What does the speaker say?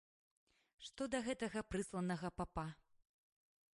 Што да гэтага прысланага папа.